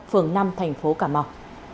phường năm tp cà mau